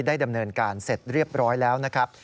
ดำเนินการเสร็จเรียบร้อยแล้วนะครับ